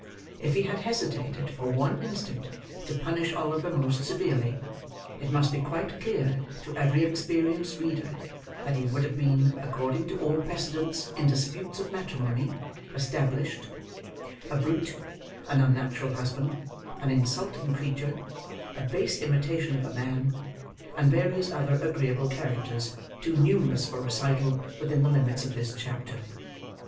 If he had hesitated for one instant to punish Oliver most severely, it must be quite clear to every experienced reader that he would have been, according to all precedents in disputes of matrimony established, a brute, an unnatural husband, an insulting creature, a base imitation of a man, and various other agreeable characters too numerous for recital within the limits of this chapter.